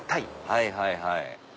はいはいはい。